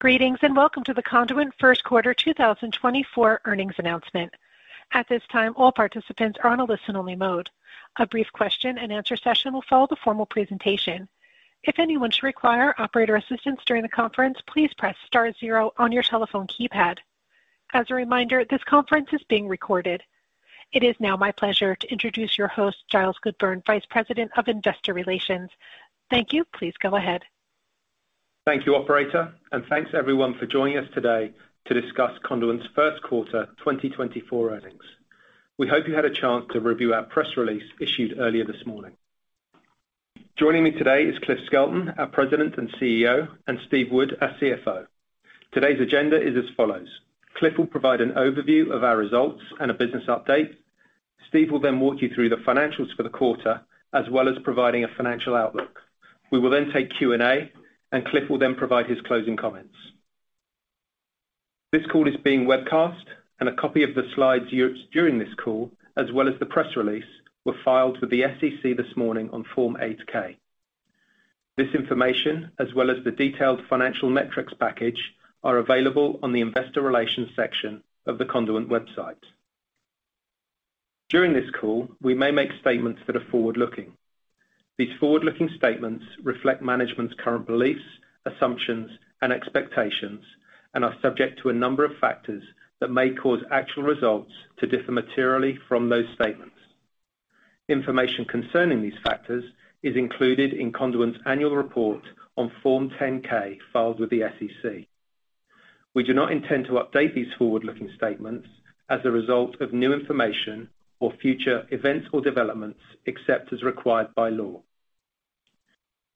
Greetings, and welcome to the Conduent First Quarter 2024 earnings announcement. At this time, all participants are on a listen-only mode. A brief question-and-answer session will follow the formal presentation. If anyone should require operator assistance during the conference, please press star zero on your telephone keypad. As a reminder, this conference is being recorded. It is now my pleasure to introduce your host, Giles Goodburn, Vice President of Investor Relations. Thank you. Please go ahead. Thank you, operator, and thanks everyone for joining us today to discuss Conduent's first quarter 2024 earnings. We hope you had a chance to review our press release issued earlier this morning. Joining me today is Cliff Skelton, our President and CEO, and Steve Wood, our CFO. Today's agenda is as follows: Cliff will provide an overview of our results and a business update. Steve will then walk you through the financials for the quarter, as well as providing a financial outlook. We will then take Q&A, and Cliff will then provide his closing comments. This call is being webcast, and a copy of the slides used during this call, as well as the press release, were filed with the SEC this morning on Form 8-K. This information, as well as the detailed financial metrics package, are available on the Investor Relations section of the Conduent website. During this call, we may make statements that are forward-looking. These forward-looking statements reflect management's current beliefs, assumptions, and expectations and are subject to a number of factors that may cause actual results to differ materially from those statements. Information concerning these factors is included in Conduent's annual report on Form 10-K, filed with the SEC. We do not intend to update these forward-looking statements as a result of new information or future events or developments, except as required by law.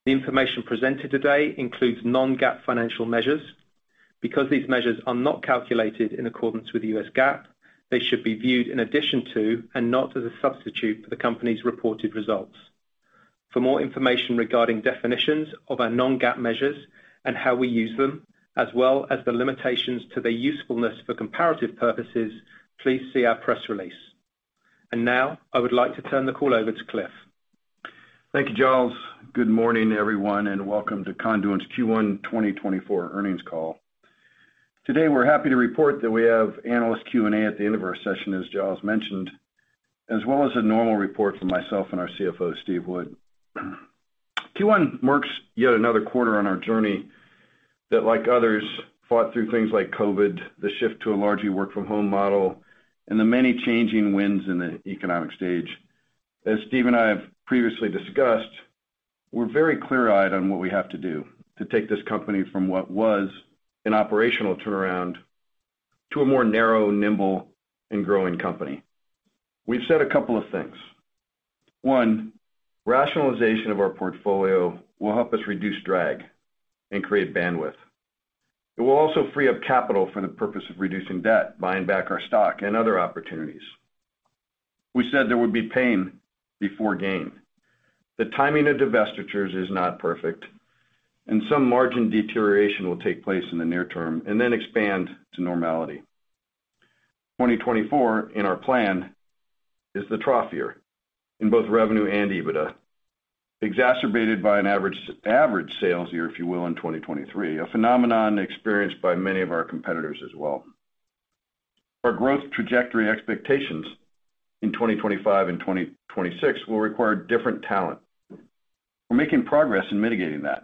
The information presented today includes non-GAAP financial measures. Because these measures are not calculated in accordance with the U.S. GAAP, they should be viewed in addition to, and not as a substitute for, the company's reported results. For more information regarding definitions of our non-GAAP measures and how we use them, as well as the limitations to their usefulness for comparative purposes, please see our press release. Now, I would like to turn the call over to Cliff. Thank you, Giles. Good morning, everyone, and welcome to Conduent's Q1 2024 earnings call. Today, we're happy to report that we have analyst Q&A at the end of our session, as Giles mentioned, as well as a normal report from myself and our CFO, Steve Wood. Q1 marks yet another quarter on our journey that, like others, fought through things like COVID, the shift to a largely work-from-home model, and the many changing winds in the economic stage. As Steve and I have previously discussed, we're very clear-eyed on what we have to do to take this company from what was an operational turnaround to a more narrow, nimble, and growing company. We've said a couple of things. One, rationalization of our portfolio will help us reduce drag and create bandwidth. It will also free up capital for the purpose of reducing debt, buying back our stock, and other opportunities. We said there would be pain before gain. The timing of divestitures is not perfect, and some margin deterioration will take place in the near term and then expand to normality. 2024, in our plan, is the trough year in both revenue and EBITDA, exacerbated by an average sales year if you will, in 2023, a phenomenon experienced by many of our competitors as well. Our growth trajectory expectations in 2025 and 2026 will require different talent. We're making progress in mitigating that.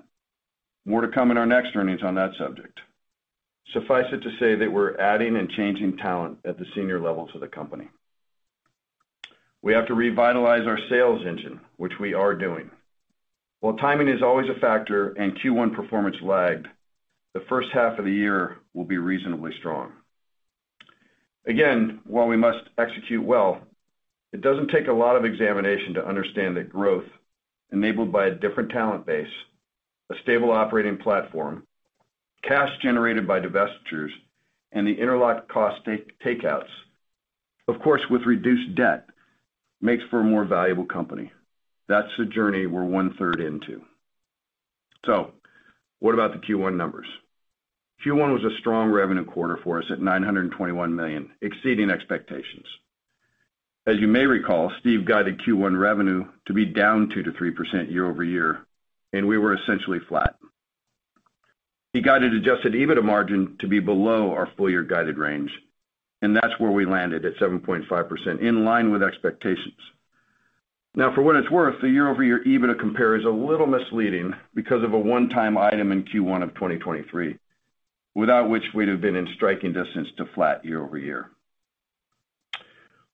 More to come in our next earnings on that subject. Suffice it to say that we're adding and changing talent at the senior levels of the company. We have to revitalize our sales engine, which we are doing. While timing is always a factor and Q1 performance lagged, the first half of the year will be reasonably strong. Again, while we must execute well, it doesn't take a lot of examination to understand that growth enabled by a different talent base, a stable operating platform, cash generated by divestitures, and the interlock cost takeouts, of course, with reduced debt, makes for a more valuable company. That's the journey we're one-third into. So what about the Q1 numbers? Q1 was a strong revenue quarter for us at $921 million, exceeding expectations. As you may recall, Steve guided Q1 revenue to be down 2%-3% year-over-year, and we were essentially flat. He guided adjusted EBITDA margin to be below our full year guided range, and that's where we landed at 7.5%, in line with expectations. Now, for what it's worth, the year-over-year EBITDA compare is a little misleading because of a one-time item in Q1 of 2023, without which we'd have been in striking distance to flat year-over-year.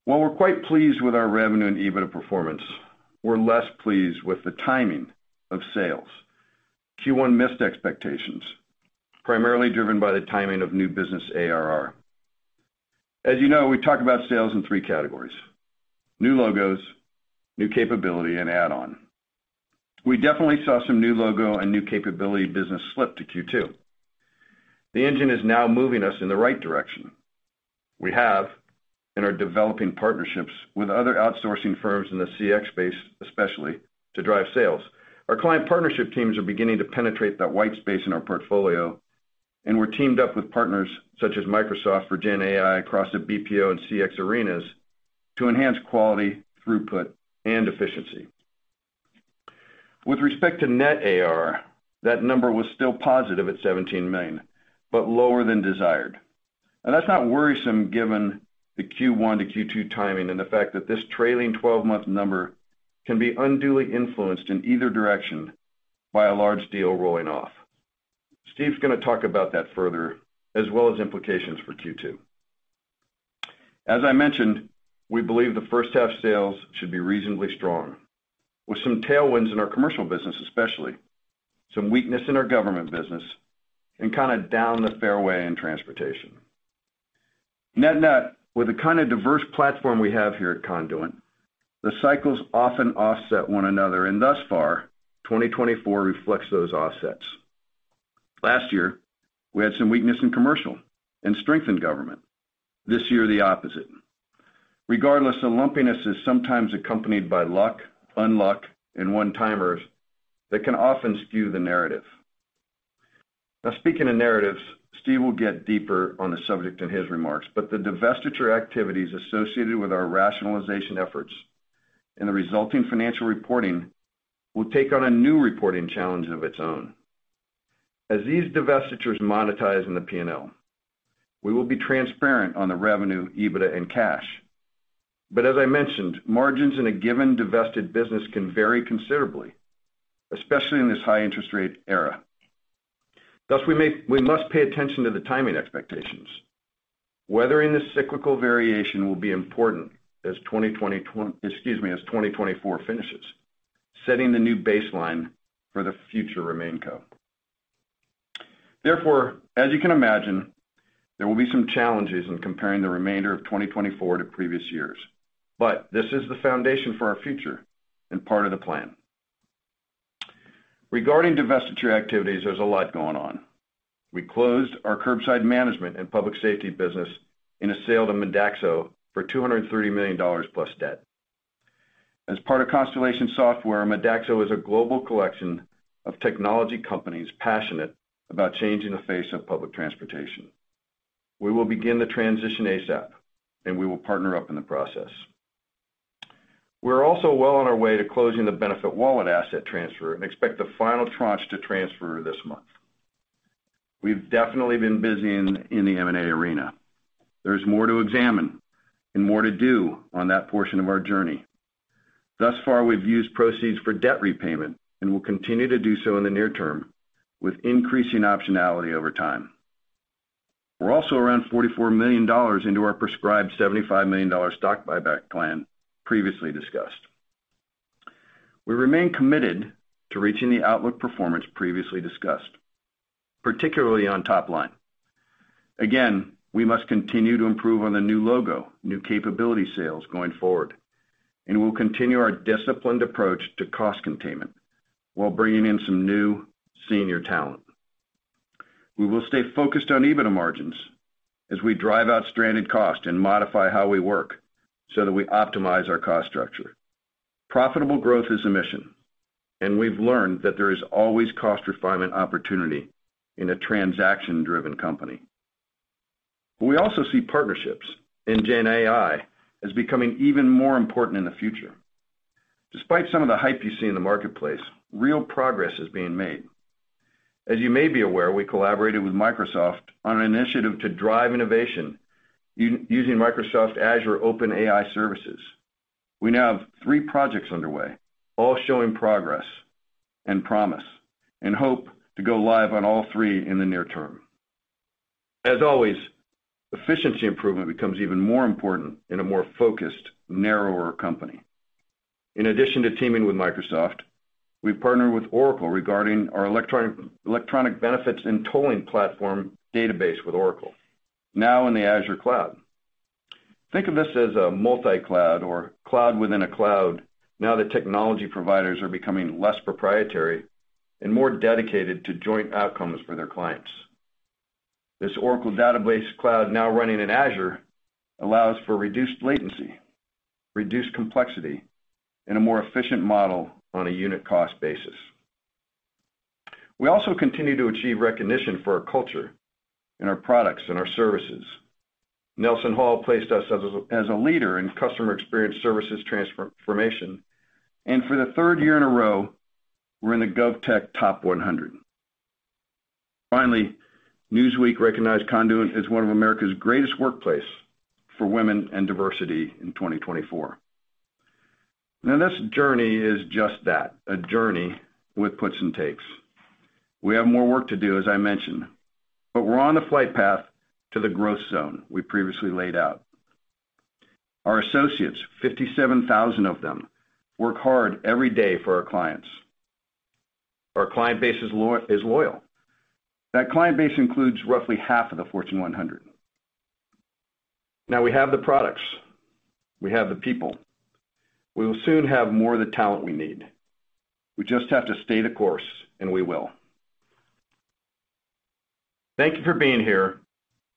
While we're quite pleased with our revenue and EBITDA performance, we're less pleased with the timing of sales. Q1 missed expectations, primarily driven by the timing of new business ARR. As you know, we talk about sales in three categories: new logos, new capability, and add-on. We definitely saw some new logo and new capability business slip to Q2. The engine is now moving us in the right direction. We have and are developing partnerships with other outsourcing firms in the CX space, especially to drive sales. Our client partnership teams are beginning to penetrate that white space in our portfolio, and we're teamed up with partners such as Microsoft for GenAI across the BPO and CX arenas to enhance quality, throughput, and efficiency. With respect to net ARR, that number was still positive at $17 million, but lower than desired. That's not worrisome given the Q1 to Q2 timing and the fact that this trailing twelve-month number can be unduly influenced in either direction by a large deal rolling off. Steve's gonna talk about that further, as well as implications for Q2. As I mentioned, we believe the first half sales should be reasonably strong, with some tailwinds in our commercial business especially, some weakness in our government business, and kinda down the fairway in transportation. Net-net, with the kind of diverse platform we have here at Conduent, the cycles often offset one another, and thus far, 2024 reflects those offsets. Last year, we had some weakness in commercial and strength in government. This year, the opposite. Regardless, the lumpiness is sometimes accompanied by luck, unluck, and one-timers that can often skew the narrative. Now, speaking of narratives, Steve will get deeper on the subject in his remarks, but the divestiture activities associated with our rationalization efforts and the resulting financial reporting will take on a new reporting challenge of its own. As these divestitures monetize in the P&L, we will be transparent on the revenue, EBITDA, and cash. But as I mentioned, margins in a given divested business can vary considerably, especially in this high interest rate era. Thus, we must pay attention to the timing expectations. Weathering this cyclical variation will be important as 2024 finishes, setting the new baseline for the future remaining company. Therefore, as you can imagine, there will be some challenges in comparing the remainder of 2024 to previous years, but this is the foundation for our future and part of the plan. Regarding divestiture activities, there's a lot going on. We closed our curbside management and public safety business in a sale to Modaxo for $230 million plus debt. As part of Constellation Software, Modaxo is a global collection of technology companies passionate about changing the face of public transportation. We will begin the transition ASAP, and we will partner up in the process. We're also well on our way to closing the BenefitWallet asset transfer and expect the final tranche to transfer this month. We've definitely been busy in the M&A arena. There's more to examine and more to do on that portion of our journey. Thus far, we've used proceeds for debt repayment and will continue to do so in the near term, with increasing optionality over time. We're also around $44 million into our prescribed $75 million stock buyback plan previously discussed. We remain committed to reaching the outlook performance previously discussed, particularly on top line. Again, we must continue to improve on the new logo, new capability sales going forward, and we'll continue our disciplined approach to cost containment while bringing in some new senior talent. We will stay focused on EBITDA margins as we drive out stranded cost and modify how we work so that we optimize our cost structure. Profitable growth is a mission, and we've learned that there is always cost refinement opportunity in a transaction-driven company. We also see partnerships in GenAI as becoming even more important in the future. Despite some of the hype you see in the marketplace, real progress is being made. As you may be aware, we collaborated with Microsoft on an initiative to drive innovation using Microsoft Azure OpenAI services. We now have three projects underway, all showing progress and promise, and hope to go live on all three in the near term. As always, efficiency improvement becomes even more important in a more focused, narrower company. In addition to teaming with Microsoft, we've partnered with Oracle regarding our electronic benefits and tolling platform database with Oracle, now in the Azure cloud. Think of this as a multi-cloud or cloud within a cloud, now that technology providers are becoming less proprietary and more dedicated to joint outcomes for their clients. This Oracle database cloud, now running in Azure, allows for reduced latency, reduced complexity, and a more efficient model on a unit cost basis. We also continue to achieve recognition for our culture and our products and our services. NelsonHall placed us as a leader in customer experience services transformation, and for the third year in a row, we're in the GovTech Top 100. Finally, Newsweek recognized Conduent as one of America's greatest workplace for women and diversity in 2024. Now, this journey is just that, a journey with puts and takes. We have more work to do, as I mentioned, but we're on the flight path to the growth zone we previously laid out. Our associates, 57,000 of them, work hard every day for our clients. Our client base is loyal. That client base includes roughly half of the Fortune 100. Now, we have the products, we have the people. We will soon have more of the talent we need. We just have to stay the course, and we will. Thank you for being here.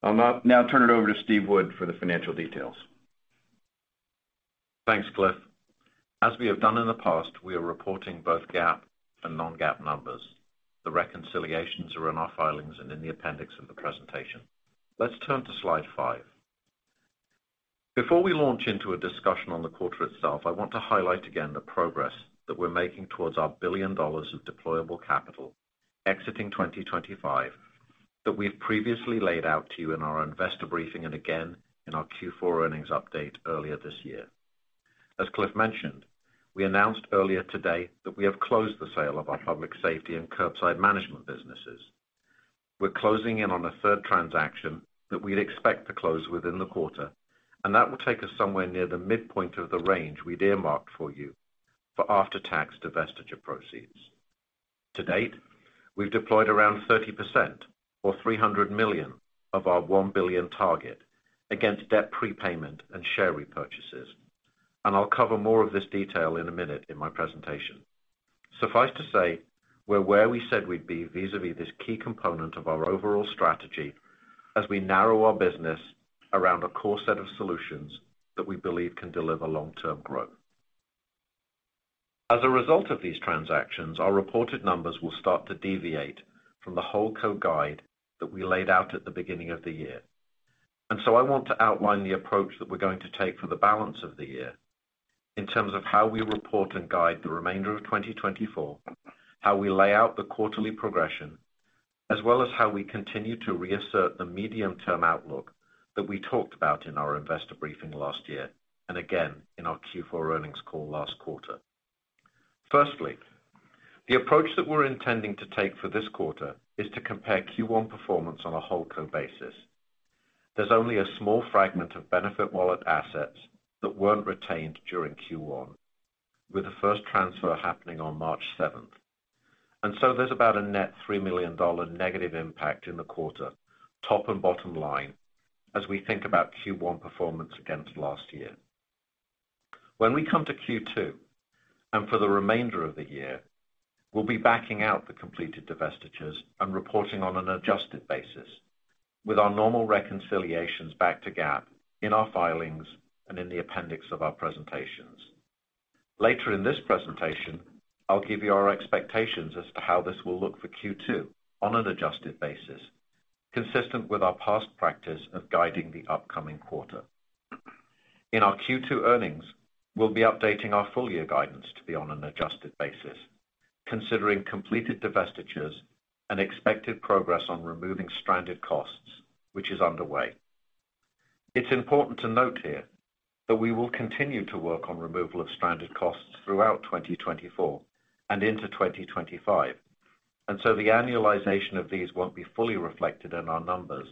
I'll now turn it over to Steve Wood for the financial details. Thanks, Cliff. As we have done in the past, we are reporting both GAAP and non-GAAP numbers. The reconciliations are in our filings and in the appendix of the presentation. Let's turn to slide five. Before we launch into a discussion on the quarter itself, I want to highlight again the progress that we're making towards our $1 billion of deployable capital, exiting 2025, that we've previously laid out to you in our investor briefing and again in our Q4 earnings update earlier this year. As Cliff mentioned, we announced earlier today that we have closed the sale of our public safety and curbside management businesses. We're closing in on a third transaction that we'd expect to close within the quarter, and that will take us somewhere near the midpoint of the range we'd earmarked for you for after-tax divestiture proceeds. To date, we've deployed around 30% or $300 million of our $1 billion target against debt prepayment and share repurchases. I'll cover more of this detail in a minute in my presentation. Suffice to say, we're where we said we'd be vis-à-vis this key component of our overall strategy as we narrow our business around a core set of solutions that we believe can deliver long-term growth. As a result of these transactions, our reported numbers will start to deviate from the whole company guide that we laid out at the beginning of the year. I want to outline the approach that we're going to take for the balance of the year in terms of how we report and guide the remainder of 2024, how we lay out the quarterly progression, as well as how we continue to reassert the medium-term outlook that we talked about in our investor briefing last year, and again, in our Q4 earnings call last quarter. Firstly, the approach that we're intending to take for this quarter is to compare Q1 performance on a whole company basis. There's only a small fragment of BenefitWallet assets that weren't retained during Q1, with the first transfer happening on March 7. There's about a net $3 million negative impact in the quarter, top and bottom line, as we think about Q1 performance against last year. When we come to Q2, and for the remainder of the year, we'll be backing out the completed divestitures and reporting on an adjusted basis with our normal reconciliations back to GAAP in our filings and in the appendix of our presentations. Later in this presentation, I'll give you our expectations as to how this will look for Q2 on an adjusted basis, consistent with our past practice of guiding the upcoming quarter. In our Q2 earnings, we'll be updating our full year guidance to be on an adjusted basis, considering completed divestitures and expected progress on removing stranded costs, which is underway. It's important to note here that we will continue to work on removal of stranded costs throughout 2024 and into 2025, and so the annualization of these won't be fully reflected in our numbers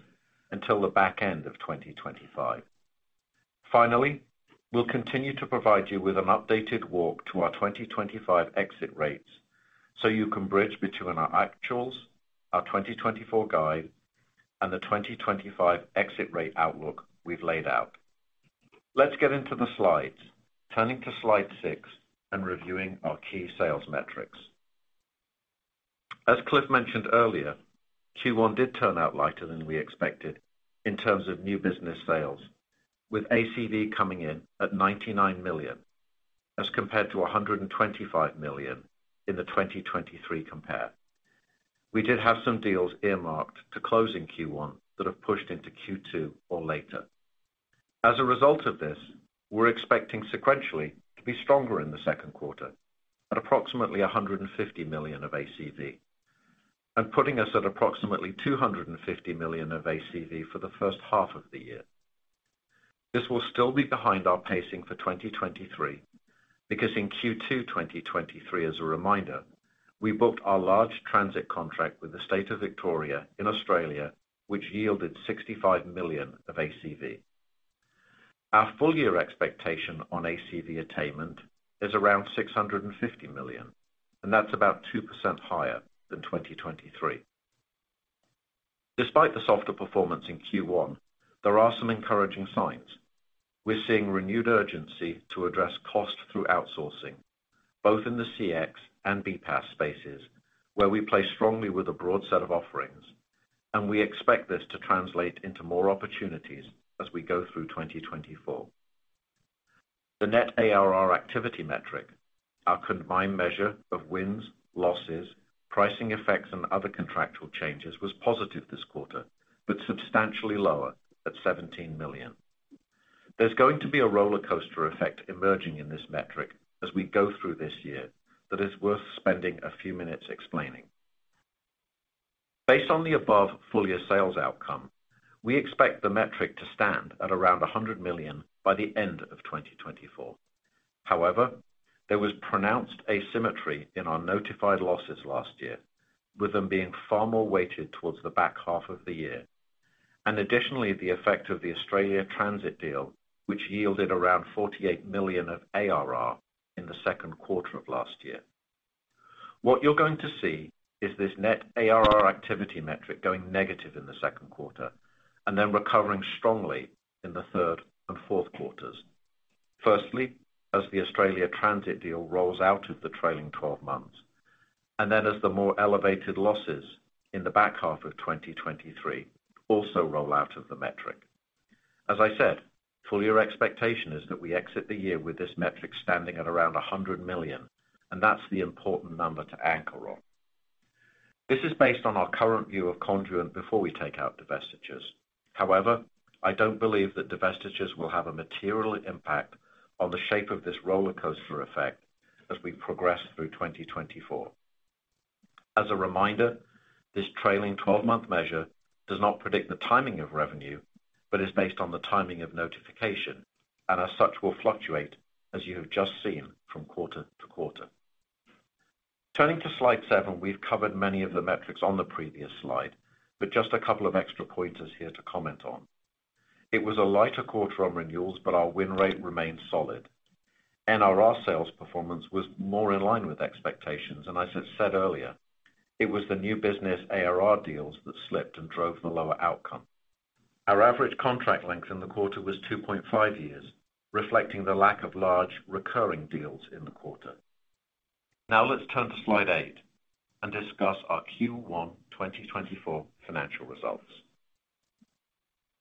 until the back end of 2025. Finally, we'll continue to provide you with an updated walk to our 2025 exit rates, so you can bridge between our actuals, our 2024 guide, and the 2025 exit rate outlook we've laid out. Let's get into the slides, turning to slide six and reviewing our key sales metrics. As Cliff mentioned earlier, Q1 did turn out lighter than we expected in terms of new business sales, with ACV coming in at $99 million, as compared to $125 million in the 2023 compare. We did have some deals earmarked to close in Q1 that have pushed into Q2 or later. As a result of this, we're expecting sequentially to be stronger in the second quarter at approximately $150 million of ACV, and putting us at approximately $250 million of ACV for the first half of the year. This will still be behind our pacing for 2023, because in Q2 2023, as a reminder, we booked our large transit contract with the State of Victoria in Australia, which yielded $65 million of ACV. Our full year expectation on ACV attainment is around $650 million, and that's about 2% higher than 2023. Despite the softer performance in Q1, there are some encouraging signs. We're seeing renewed urgency to address cost through outsourcing, both in the CX and BPaaS spaces, where we play strongly with a broad set of offerings, and we expect this to translate into more opportunities as we go through 2024. The net ARR activity metric, our combined measure of wins, losses, pricing effects, and other contractual changes, was positive this quarter, but substantially lower at $17 million. There's going to be a roller coaster effect emerging in this metric as we go through this year that is worth spending a few minutes explaining. Based on the above full year sales outcome, we expect the metric to stand at around $100 million by the end of 2024. However, there was pronounced asymmetry in our notified losses last year, with them being far more weighted towards the back half of the year, and additionally, the effect of the Australia transit deal, which yielded around $48 million of ARR in the second quarter of last year. What you're going to see is this net ARR activity metric going negative in the second quarter and then recovering strongly in the third and fourth quarters. Firstly, as the Australia transit deal rolls out of the trailing twelve months, and then as the more elevated losses in the back half of 2023 also roll out of the metric. As I said, full year expectation is that we exit the year with this metric standing at around $100 million, and that's the important number to anchor on.... This is based on our current view of Conduent before we take out divestitures. However, I don't believe that divestitures will have a material impact on the shape of this rollercoaster effect as we progress through 2024. As a reminder, this trailing twelve-month measure does not predict the timing of revenue, but is based on the timing of notification, and as such, will fluctuate, as you have just seen from quarter to quarter. Turning to Slide seven, we've covered many of the metrics on the previous slide, but just a couple of extra pointers here to comment on. It was a lighter quarter on renewals, but our win rate remained solid. NRR sales performance was more in line with expectations, and as I said earlier, it was the new business ARR deals that slipped and drove the lower outcome. Our average contract length in the quarter was 2.5 years, reflecting the lack of large recurring deals in the quarter. Now let's turn to Slide eight and discuss our Q1 2024 financial results.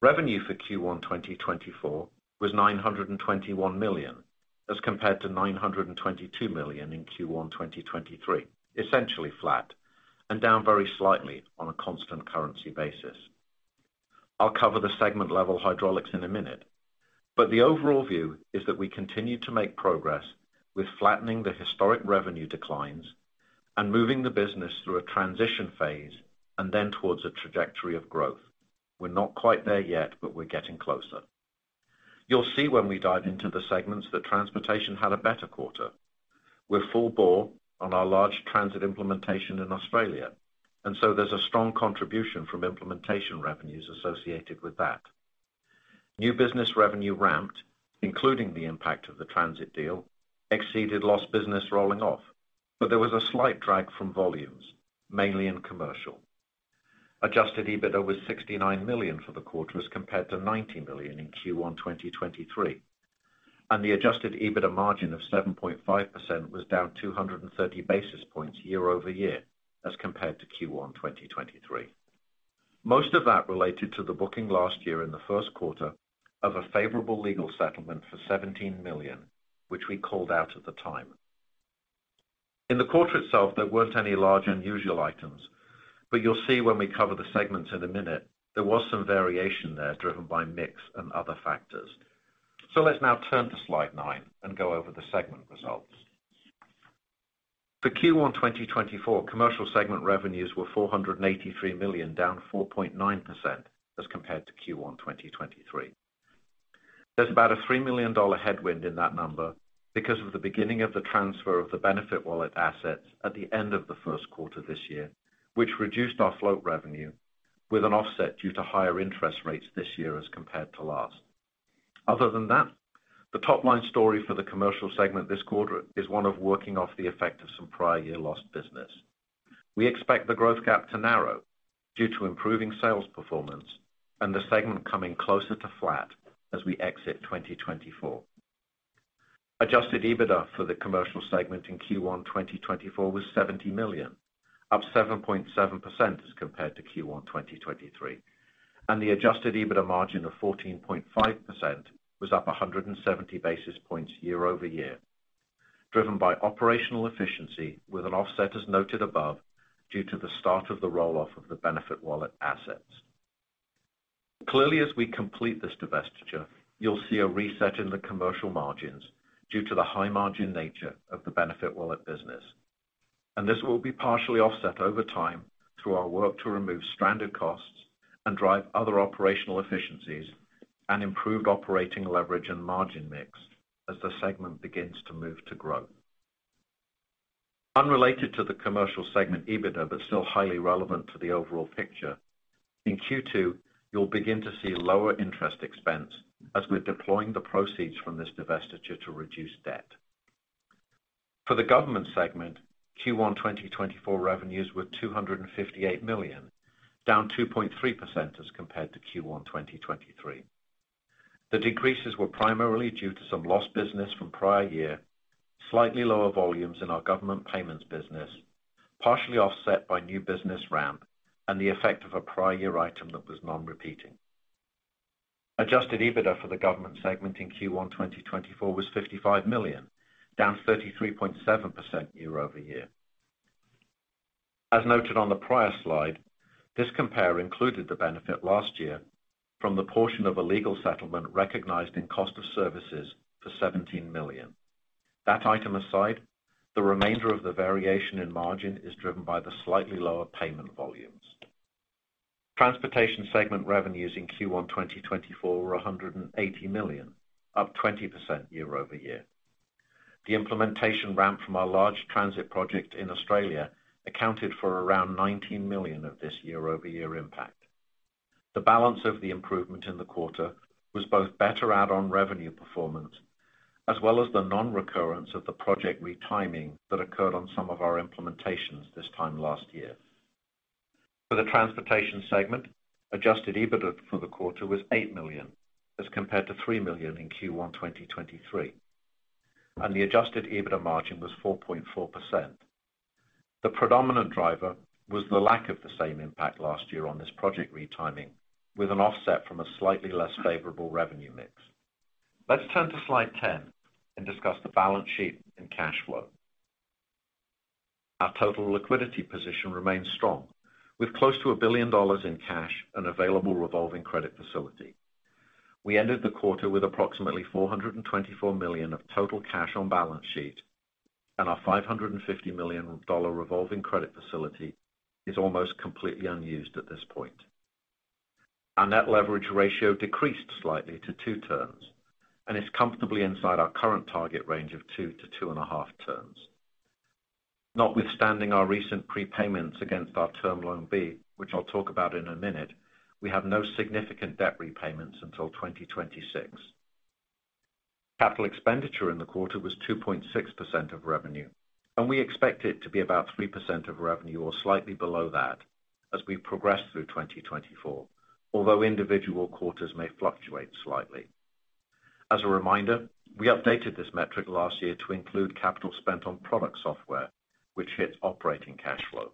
Revenue for Q1 2024 was $921 million, as compared to $922 million in Q1 2023, essentially flat and down very slightly on a constant currency basis. I'll cover the segment level hydraulics in a minute, but the overall view is that we continue to make progress with flattening the historic revenue declines and moving the business through a transition phase, and then towards a trajectory of growth. We're not quite there yet, but we're getting closer. You'll see when we dive into the segments, that transportation had a better quarter. We're full bore on our large transit implementation in Australia, and so there's a strong contribution from implementation revenues associated with that. New business revenue ramped, including the impact of the transit deal, exceeded lost business rolling off, but there was a slight drag from volumes, mainly in commercial. Adjusted EBITDA was $69 million for the quarter, as compared to $90 million in Q1 2023, and the adjusted EBITDA margin of 7.5% was down 230 basis points year-over-year, as compared to Q1 2023. Most of that related to the booking last year in the first quarter of a favorable legal settlement for $17 million, which we called out at the time. In the quarter itself, there weren't any large unusual items, but you'll see when we cover the segments in a minute, there was some variation there, driven by mix and other factors. So let's now turn to Slide nine and go over the segment results. For Q1 2024, commercial segment revenues were $483 million, down 4.9% as compared to Q1 2023. There's about a $3 million headwind in that number because of the beginning of the transfer of the BenefitWallet assets at the end of the first quarter this year, which reduced our float revenue with an offset due to higher interest rates this year as compared to last. Other than that, the top-line story for the commercial segment this quarter is one of working off the effect of some prior year lost business. We expect the growth gap to narrow due to improving sales performance and the segment coming closer to flat as we exit 2024. Adjusted EBITDA for the commercial segment in Q1 2024 was $70 million, up 7.7% as compared to Q1 2023, and the adjusted EBITDA margin of 14.5% was up 170 basis points year-over-year, driven by operational efficiency, with an offset, as noted above, due to the start of the roll-off of the BenefitWallet assets. Clearly, as we complete this divestiture, you'll see a reset in the commercial margins due to the high margin nature of the BenefitWallet business, and this will be partially offset over time through our work to remove stranded costs and drive other operational efficiencies and improved operating leverage and margin mix as the segment begins to move to growth. Unrelated to the commercial segment, EBITDA, but still highly relevant to the overall picture, in Q2, you'll begin to see lower interest expense as we're deploying the proceeds from this divestiture to reduce debt. For the government segment, Q1, 2024 revenues were $258 million, down 2.3% as compared to Q1, 2023. The decreases were primarily due to some lost business from prior year, slightly lower volumes in our government payments business, partially offset by new business ramp and the effect of a prior year item that was non-repeating. Adjusted EBITDA for the government segment in Q1, 2024, was $55 million, down 33.7% year-over-year. As noted on the prior slide, this compare included the benefit last year from the portion of a legal settlement recognized in cost of services for $17 million. That item aside, the remainder of the variation in margin is driven by the slightly lower payment volumes. Transportation segment revenues in Q1 2024 were $180 million, up 20% year-over-year. The implementation ramp from our large transit project in Australia accounted for around $19 million of this year-over-year impact. The balance of the improvement in the quarter was both better add-on revenue performance, as well as the non-recurrence of the project retiming that occurred on some of our implementations this time last year. For the transportation segment, adjusted EBITDA for the quarter was $8 million, as compared to $3 million in Q1 2023, and the adjusted EBITDA margin was 4.4%. The predominant driver was the lack of the same impact last year on this project retiming, with an offset from a slightly less favorable revenue mix.... Let's turn to slide 10 and discuss the balance sheet and cash flow. Our total liquidity position remains strong, with close to $1 billion in cash and available revolving credit facility. We ended the quarter with approximately $424 million of total cash on balance sheet, and our $550 million dollar revolving credit facility is almost completely unused at this point. Our net leverage ratio decreased slightly to two turns, and is comfortably inside our current target range of 2-2.5 turns. Notwithstanding our recent prepayments against our Term Loan B, which I'll talk about in a minute, we have no significant debt repayments until 2026. Capital expenditure in the quarter was 2.6% of revenue, and we expect it to be about 3% of revenue or slightly below that as we progress through 2024, although individual quarters may fluctuate slightly. As a reminder, we updated this metric last year to include capital spent on product software, which hits operating cash flow.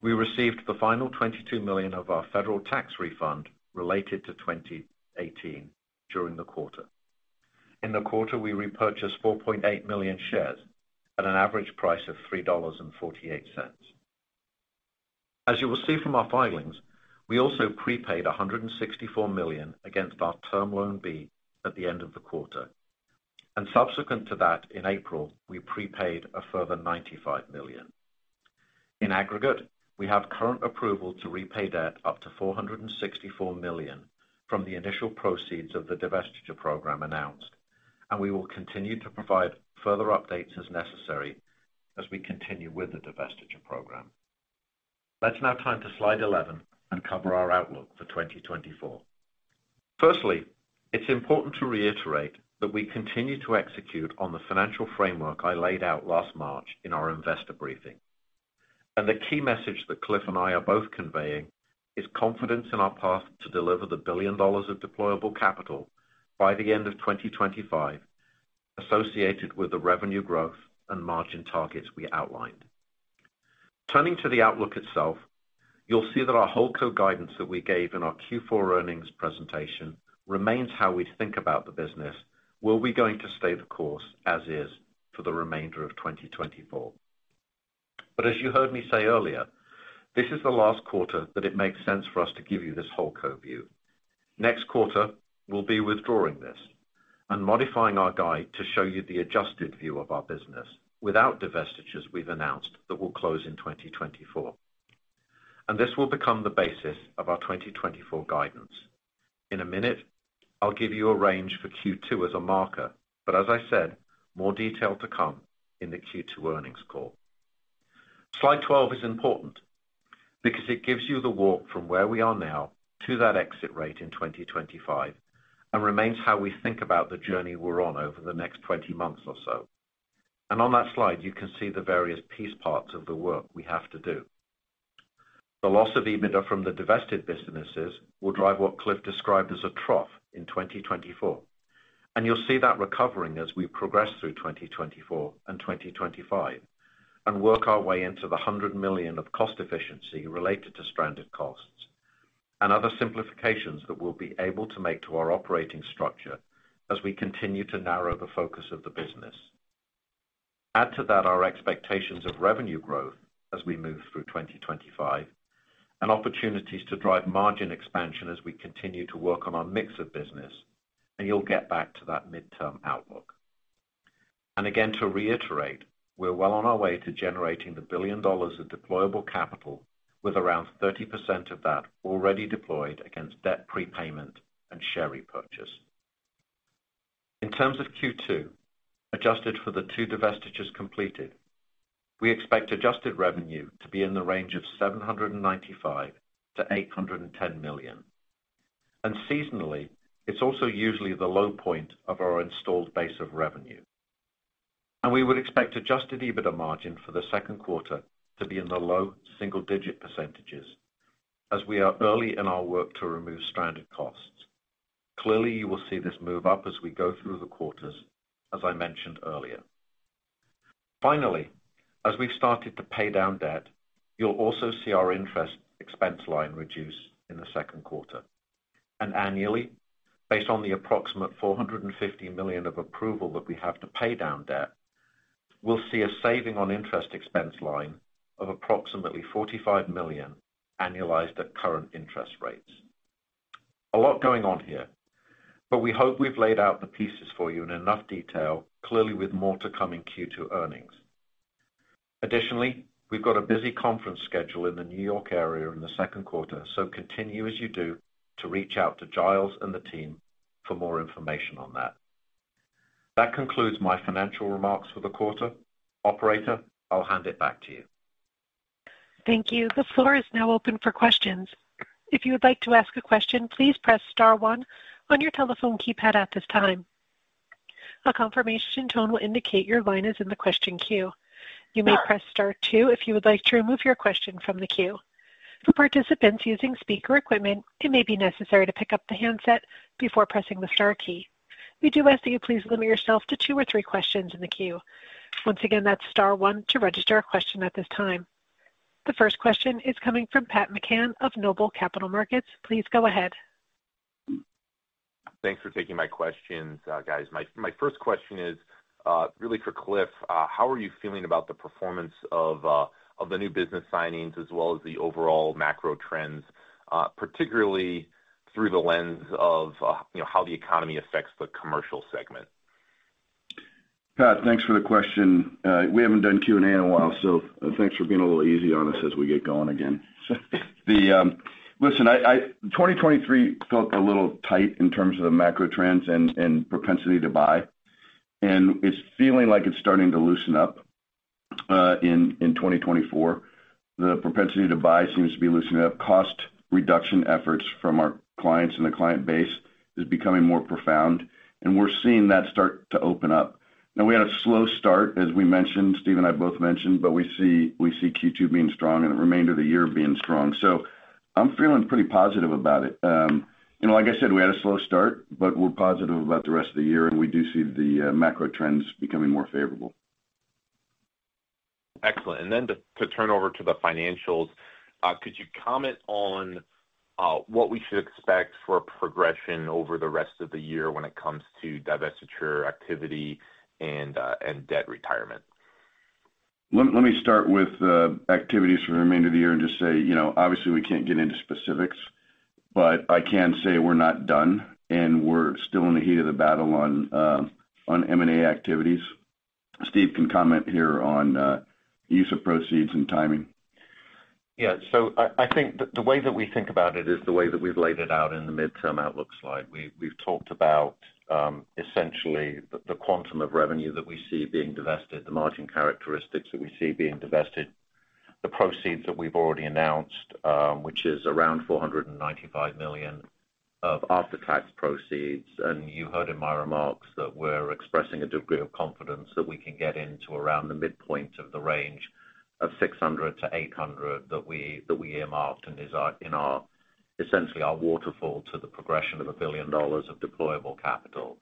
We received the final $22 million of our federal tax refund related to 2018 during the quarter. In the quarter, we repurchased 4.8 million shares at an average price of $3.48. As you will see from our filings, we also prepaid $164 million against our Term Loan B at the end of the quarter, and subsequent to that, in April, we prepaid a further $95 million. In aggregate, we have current approval to repay debt up to $464 million from the initial proceeds of the divestiture program announced, and we will continue to provide further updates as necessary as we continue with the divestiture program. Let's now turn to slide 11 and cover our outlook for 2024. Firstly, it's important to reiterate that we continue to execute on the financial framework I laid out last March in our investor briefing. The key message that Cliff and I are both conveying is confidence in our path to deliver $1 billion of deployable capital by the end of 2025, associated with the revenue growth and margin targets we outlined. Turning to the outlook itself, you'll see that our whole company guidance that we gave in our Q4 earnings presentation remains how we think about the business, where we're going to stay the course as is for the remainder of 2024. But as you heard me say earlier, this is the last quarter that it makes sense for us to give you this whole company view. Next quarter, we'll be withdrawing this and modifying our guide to show you the adjusted view of our business without divestitures we've announced that will close in 2024, and this will become the basis of our 2024 guidance. In a minute, I'll give you a range for Q2 as a marker, but as I said, more detail to come in the Q2 earnings call. Slide 12 is important because it gives you the walk from where we are now to that exit rate in 2025, and remains how we think about the journey we're on over the next 20 months or so. On that slide, you can see the various piece parts of the work we have to do. The loss of EBITDA from the divested businesses will drive what Cliff described as a trough in 2024, and you'll see that recovering as we progress through 2024 and 2025, and work our way into the $100 million of cost efficiency related to stranded costs and other simplifications that we'll be able to make to our operating structure as we continue to narrow the focus of the business. Add to that our expectations of revenue growth as we move through 2025, and opportunities to drive margin expansion as we continue to work on our mix of business, and you'll get back to that midterm outlook. Again, to reiterate, we're well on our way to generating $1 billion of deployable capital, with around 30% of that already deployed against debt prepayment and share repurchase. In terms of Q2, adjusted for the two divestitures completed, we expect adjusted revenue to be in the range of $795 million-$810 million. Seasonally, it's also usually the low point of our installed base of revenue. We would expect adjusted EBITDA margin for the second quarter to be in the low single-digit %, as we are early in our work to remove stranded costs. Clearly, you will see this move up as we go through the quarters, as I mentioned earlier. Finally, as we've started to pay down debt, you'll also see our interest expense line reduce in the second quarter. Annually, based on the approximate $450 million of approval that we have to pay down debt, we'll see a saving on interest expense line of approximately $45 million, annualized at current interest rates. A lot going on here, but we hope we've laid out the pieces for you in enough detail, clearly with more to come in Q2 earnings. Additionally, we've got a busy conference schedule in the New York area in the second quarter, so continue as you do to reach out to Giles and the team for more information on that. That concludes my financial remarks for the quarter. Operator, I'll hand it back to you. Thank you. The floor is now open for questions. If you would like to ask a question, please press star one on your telephone keypad at this time. A confirmation tone will indicate your line is in the question queue. You may press star two if you would like to remove your question from the queue. For participants using speaker equipment, it may be necessary to pick up the handset before pressing the star key. We do ask that you please limit yourself to two or three questions in the queue. Once again, that's star one to register a question at this time.... The first question is coming from Pat McCann of Noble Capital Markets. Please go ahead. Thanks for taking my questions, guys. My first question is really for Cliff. How are you feeling about the performance of the new business signings as well as the overall macro trends, particularly through the lens of, you know, how the economy affects the commercial segment? Pat, thanks for the question. We haven't done Q&A in a while, so thanks for being a little easy on us as we get going again. Listen, I 2023 felt a little tight in terms of the macro trends and propensity to buy, and it's feeling like it's starting to loosen up in 2024. The propensity to buy seems to be loosening up. Cost reduction efforts from our clients and the client base is becoming more profound, and we're seeing that start to open up. Now, we had a slow start, as we mentioned, Steve and I both mentioned, but we see Q2 being strong and the remainder of the year being strong. So I'm feeling pretty positive about it. You know, like I said, we had a slow start, but we're positive about the rest of the year, and we do see the macro trends becoming more favorable. Excellent. And then to turn over to the financials, could you comment on what we should expect for progression over the rest of the year when it comes to divestiture activity and debt retirement? Let me start with the activities for the remainder of the year and just say, you know, obviously, we can't get into specifics, but I can say we're not done, and we're still in the heat of the battle on M&A activities. Steve can comment here on use of proceeds and timing. Yeah, so I think the way that we think about it is the way that we've laid it out in the midterm outlook slide. We've talked about essentially the quantum of revenue that we see being divested, the margin characteristics that we see being divested, the proceeds that we've already announced, which is around $495 million of after-tax proceeds. And you heard in my remarks that we're expressing a degree of confidence that we can get into around the midpoint of the range of $600 million-$800 million that we earmarked, and is our essentially our waterfall to the progression of $1 billion of deployable capital.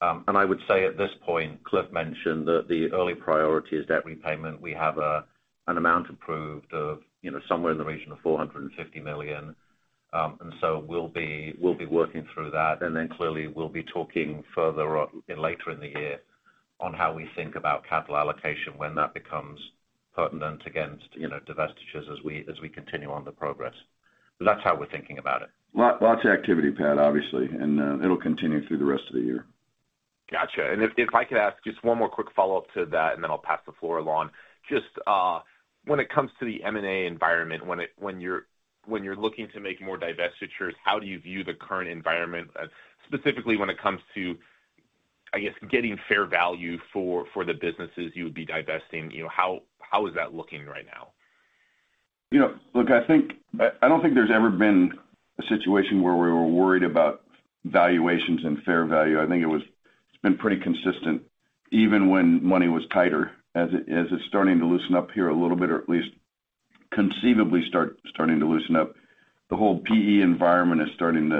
And I would say at this point, Cliff mentioned that the early priority is debt repayment. We have an amount approved of, you know, somewhere in the region of $450 million. And so we'll be working through that, and then clearly, we'll be talking further on later in the year on how we think about capital allocation when that becomes pertinent against, you know, divestitures as we continue on the progress. But that's how we're thinking about it. Lots of activity, Pat, obviously, and it'll continue through the rest of the year. Gotcha. And if I could ask just one more quick follow-up to that, and then I'll pass the floor along. Just when it comes to the M&A environment, when you're looking to make more divestitures, how do you view the current environment, specifically when it comes to, I guess, getting fair value for the businesses you would be divesting? You know, how is that looking right now? You know, look, I think... I, I don't think there's ever been a situation where we were worried about valuations and fair value. I think it was—it's been pretty consistent, even when money was tighter. As it's starting to loosen up here a little bit, or at least conceivably starting to loosen up, the whole PE environment is starting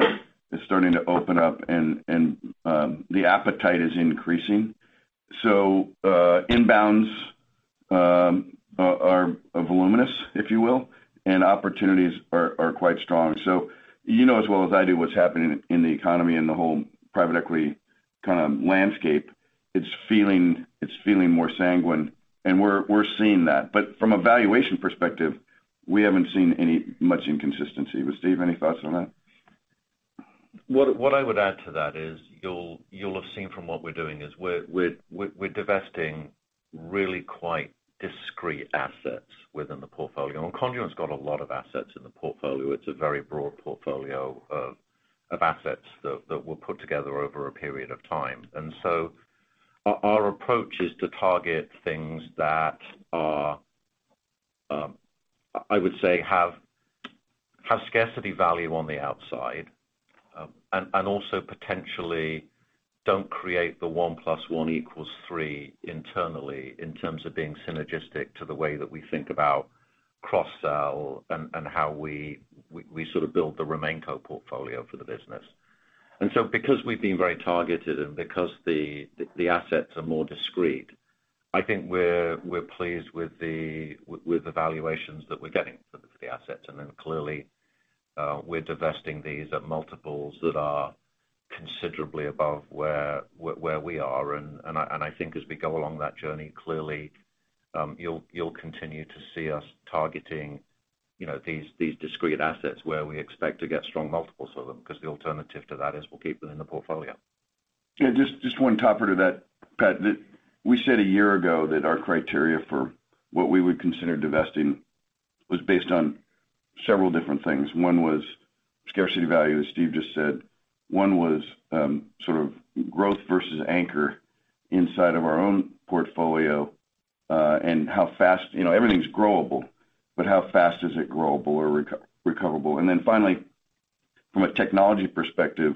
to open up, and the appetite is increasing. So, inbounds are voluminous, if you will, and opportunities are quite strong. So you know as well as I do, what's happening in the economy and the whole private equity kind of landscape. It's feeling more sanguine, and we're seeing that. But from a valuation perspective, we haven't seen any much inconsistency. But Steve, any thoughts on that? What I would add to that is, you'll have seen from what we're doing is we're divesting really quite discrete assets within the portfolio. And Conduent's got a lot of assets in the portfolio. It's a very broad portfolio of assets that were put together over a period of time. And so our approach is to target things that are, I would say, have scarcity value on the outside, and also potentially don't create the one plus one equals three internally in terms of being synergistic to the way that we think about cross-sell and how we sort of build the remaining portfolio for the business. And so because we've been very targeted and because the assets are more discrete, I think we're pleased with the valuations that we're getting for the assets. And then clearly, we're divesting these at multiples that are considerably above where we are, and I think as we go along that journey, clearly, you'll continue to see us targeting, you know, these discrete assets where we expect to get strong multiples for them, because the alternative to that is we'll keep them in the portfolio. Yeah, just one topper to that, Pat. That we said a year ago that our criteria for what we would consider divesting was based on several different things. One was scarcity value, as Steve just said. One was sort of growth versus anchor inside of our own portfolio, and how fast... You know, everything's growable, but how fast is it growable or recoverable? And then finally, from a technology perspective,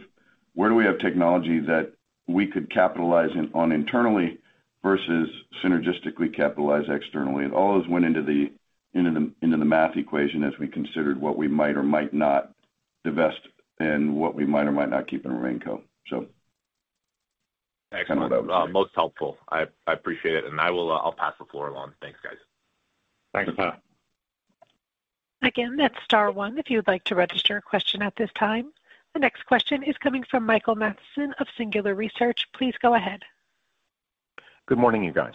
where do we have technology that we could capitalize on internally versus synergistically capitalize externally? And all those went into the math equation as we considered what we might or might not divest and what we might or might not keep and remain core, so.... Excellent. Most helpful. I, I appreciate it, and I will, I'll pass the floor along. Thanks, guys. Thanks, Pat. Again, that's star one if you'd like to register a question at this time. The next question is coming from Michael Mathison of Singular Research. Please go ahead. Good morning, you guys.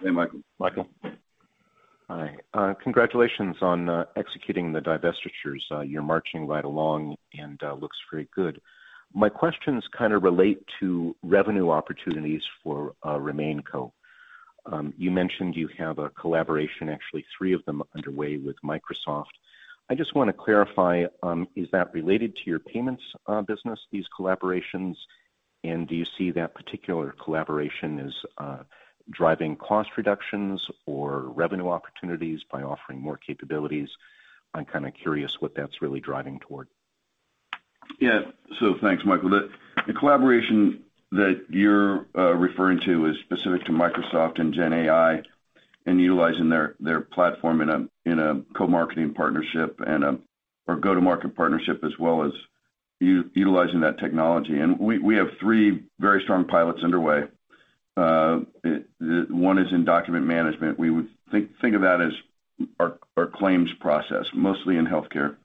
Hey, Michael. Michael. Hi. Congratulations on executing the divestitures. You're marching right along, and looks very good. My questions kind of relate to revenue opportunities for RemainCo. You mentioned you have a collaboration, actually, three of them underway with Microsoft. I just want to clarify, is that related to your payments business, these collaborations? And do you see that particular collaboration as driving cost reductions or revenue opportunities by offering more capabilities? I'm kind of curious what that's really driving toward. Yeah. So thanks, Michael. The collaboration that you're referring to is specific to Microsoft and GenAI and utilizing their platform in a co-marketing partnership and or go-to-market partnership, as well as utilizing that technology. And we have three very strong pilots underway. One is in document management. We would think of that as our claims process, mostly in healthcare.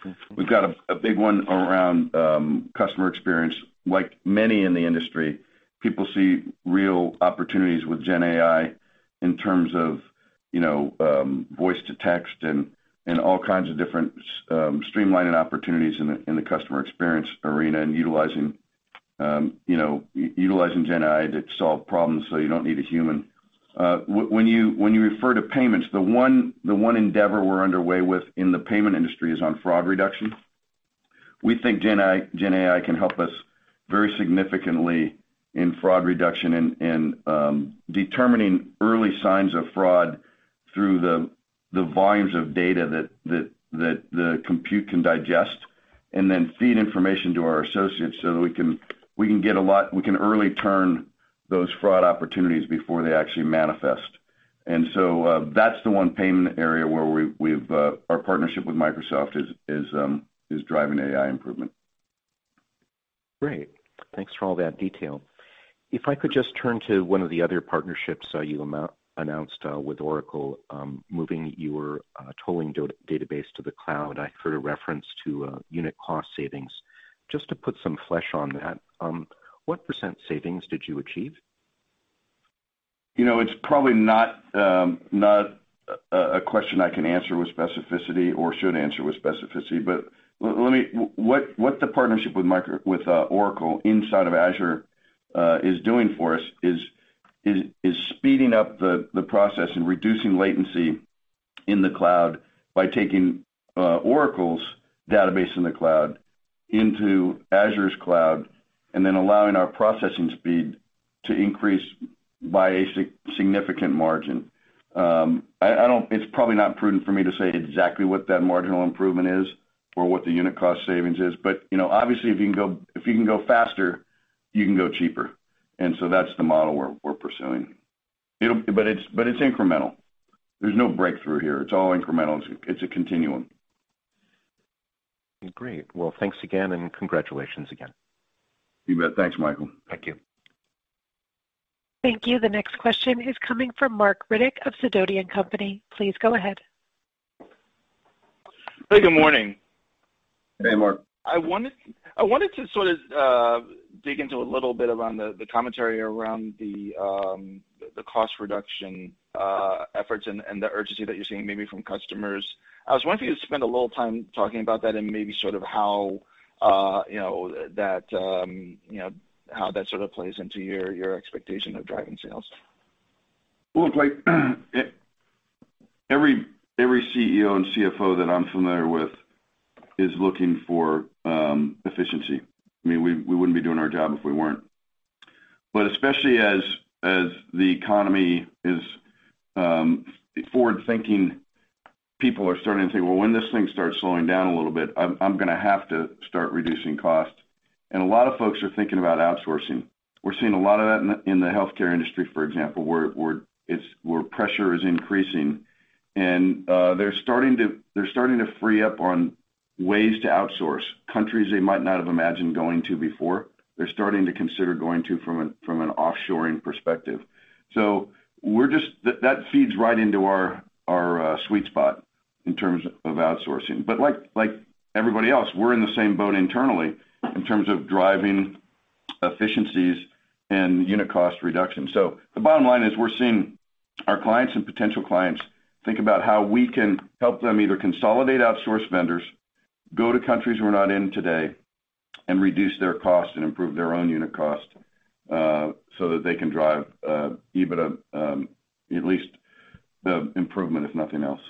Okay. We've got a big one around customer experience. Like many in the industry, people see real opportunities with GenAI in terms of, you know, voice-to-text and all kinds of different streamlining opportunities in the customer experience arena and utilizing GenAI to solve problems so you don't need a human. When you refer to payments, the one endeavor we're underway with in the payment industry is on fraud reduction. We think GenAI can help us very significantly in fraud reduction and determining early signs of fraud through the volumes of data that the compute can digest, and then feed information to our associates so that we can early turn those fraud opportunities before they actually manifest. And so, that's the one payment area where we have our partnership with Microsoft is driving AI improvement. Great. Thanks for all that detail. If I could just turn to one of the other partnerships you announced with Oracle, moving your tolling database to the cloud. I heard a reference to unit cost savings. Just to put some flesh on that, what % savings did you achieve? You know, it's probably not a question I can answer with specificity or should answer with specificity, but let me. What the partnership with Oracle inside of Azure is doing for us is speeding up the process and reducing latency in the cloud by taking Oracle's database in the cloud into Azure's cloud, and then allowing our processing speed to increase by a significant margin. I don't—it's probably not prudent for me to say exactly what that marginal improvement is or what the unit cost savings is, but you know, obviously, if you can go faster, you can go cheaper. And so that's the model we're pursuing. But it's incremental. There's no breakthrough here. It's all incremental. It's a continuum. Great. Well, thanks again, and congratulations again. You bet. Thanks, Michael. Thank you. Thank you. The next question is coming from Marc Riddick of Sidoti & Company. Please go ahead. Hey, good morning. Hey, Marc. I wanted to sort of dig into a little bit around the commentary around the cost reduction efforts and the urgency that you're seeing maybe from customers. I was wondering if you could spend a little time talking about that and maybe sort of how you know that you know how that sort of plays into your expectation of driving sales? Well, look, like, every CEO and CFO that I'm familiar with is looking for efficiency. I mean, we wouldn't be doing our job if we weren't. But especially as the economy is forward-thinking, people are starting to think, "Well, when this thing starts slowing down a little bit, I'm gonna have to start reducing costs." And a lot of folks are thinking about outsourcing. We're seeing a lot of that in the healthcare industry, for example, where pressure is increasing. And they're starting to free up on ways to outsource. Countries they might not have imagined going to before, they're starting to consider going to from an offshoring perspective. So we're just... That feeds right into our sweet spot in terms of outsourcing. But like, like everybody else, we're in the same boat internally in terms of driving efficiencies and unit cost reduction. So the bottom line is, we're seeing our clients and potential clients think about how we can help them either consolidate outsource vendors, go to countries we're not in today, and reduce their costs and improve their own unit cost, so that they can drive, EBITDA, at least the improvement, if nothing else.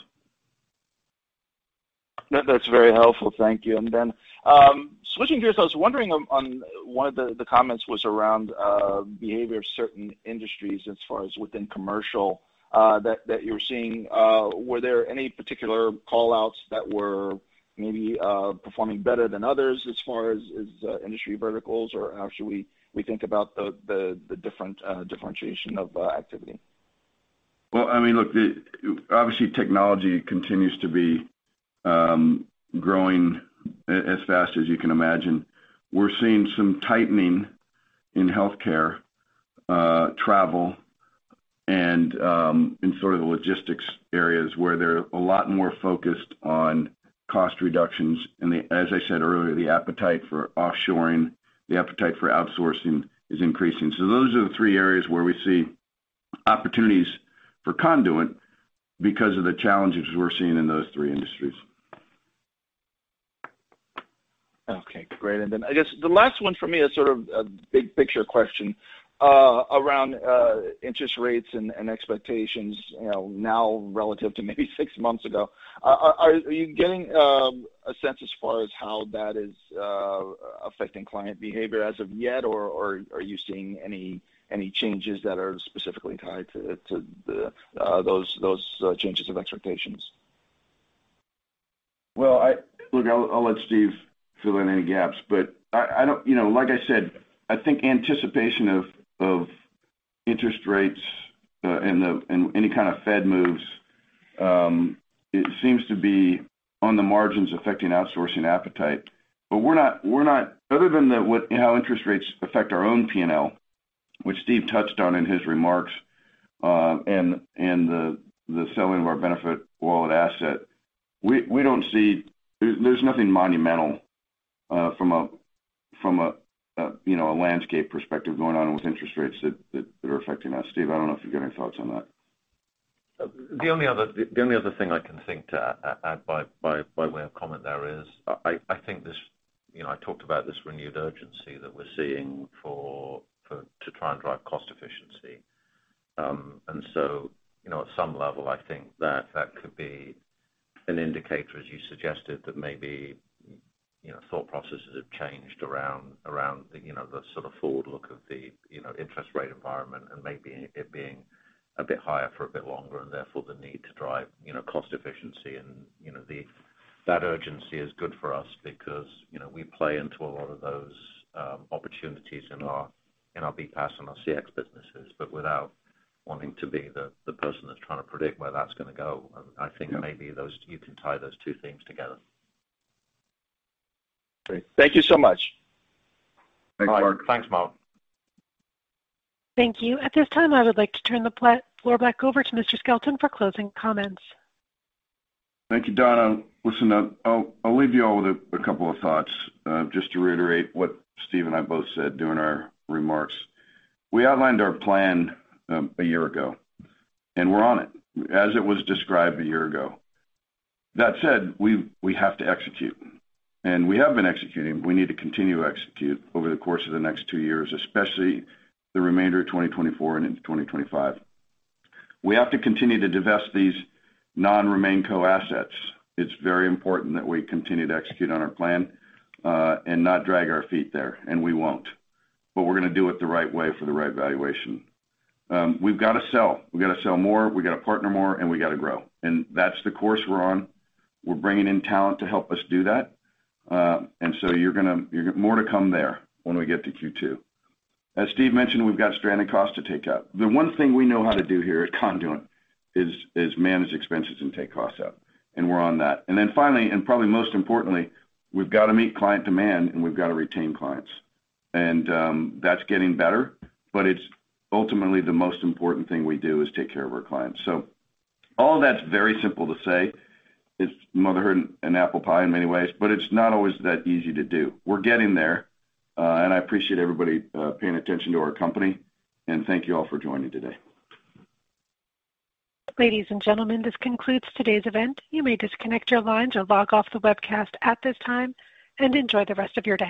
That, that's very helpful. Thank you. And then, switching gears, I was wondering on one of the comments was around behavior of certain industries as far as within commercial that you're seeing. Were there any particular call-outs that were maybe performing better than others as far as industry verticals, or how should we think about the different differentiation of activity?... Well, I mean, look, the obviously, technology continues to be growing as fast as you can imagine. We're seeing some tightening in healthcare, travel, and in sort of the logistics areas where they're a lot more focused on cost reductions. And as I said earlier, the appetite for offshoring, the appetite for outsourcing is increasing. So those are the three areas where we see opportunities for Conduent because of the challenges we're seeing in those three industries. Okay, great. And then I guess the last one for me is sort of a big-picture question around interest rates and expectations, you know, now relative to maybe six months ago. Are you getting a sense as far as how that is affecting client behavior as of yet? Or are you seeing any changes that are specifically tied to those changes of expectations? Well, look, I'll let Steve fill in any gaps, but I don't. You know, like I said, I think anticipation of interest rates and any kind of Fed moves, it seems to be on the margins affecting outsourcing appetite. But we're not, other than how interest rates affect our own P&L, which Steve touched on in his remarks, and the selling of our BenefitWallet asset, we don't see. There's nothing monumental from a landscape perspective going on with interest rates that are affecting us. Steve, I don't know if you've got any thoughts on that. The only other thing I can think to add by way of comment there is, I think this, you know, I talked about this renewed urgency that we're seeing for to try and drive cost efficiency. And so, you know, at some level, I think that that could be an indicator, as you suggested, that maybe, you know, thought processes have changed around, you know, the sort of forward look of the, you know, interest rate environment and maybe it being a bit higher for a bit longer, and therefore, the need to drive, you know, cost efficiency. You know, the urgency is good for us because, you know, we play into a lot of those opportunities in our BPAS and our CX businesses, but without wanting to be the person that's trying to predict where that's gonna go. I think maybe those, you can tie those two things together. Great. Thank you so much. Thanks, Marc. Thanks, Marc. Thank you. At this time, I would like to turn the floor back over to Mr. Skelton for closing comments. Thank you, Donna. Listen, I'll leave you all with a couple of thoughts. Just to reiterate what Steve and I both said during our remarks. We outlined our plan a year ago, and we're on it, as it was described a year ago. That said, we have to execute, and we have been executing. We need to continue to execute over the course of the next two years, especially the remainder of 2024 and into 2025. We have to continue to divest these non-RemainCo assets. It's very important that we continue to execute on our plan, and not drag our feet there, and we won't. But we're gonna do it the right way for the right valuation. We've got to sell. We've got to sell more, we've got to partner more, and we got to grow, and that's the course we're on. We're bringing in talent to help us do that. And so you're gonna—more to come there when we get to Q2. As Steve mentioned, we've got stranded costs to take out. The one thing we know how to do here at Conduent is manage expenses and take costs out, and we're on that. And then finally, and probably most importantly, we've got to meet client demand, and we've got to retain clients. And that's getting better, but it's ultimately the most important thing we do, is take care of our clients. So all that's very simple to say. It's motherhood and apple pie in many ways, but it's not always that easy to do. We're getting there, and I appreciate everybody paying attention to our company, and thank you all for joining today. Ladies and gentlemen, this concludes today's event. You may disconnect your lines or log off the webcast at this time, and enjoy the rest of your day.